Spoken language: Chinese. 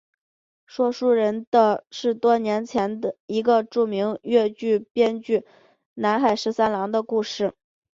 说书人说的是多年前一个著名的粤剧编剧南海十三郎的故事。